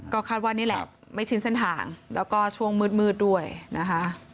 ก็คาดว่านี่แหละไม่ชินเส้นทางแล้วก็ช่วงมืดด้วยนะคะ